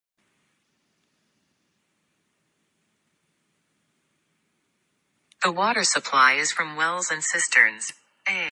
The water supply is from wells and cisterns.